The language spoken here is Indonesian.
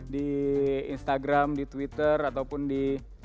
di instagram di twitter ataupun di